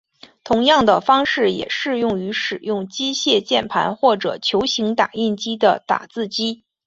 同样的方式也适用于使用机械键盘或者球形打印头的打字机。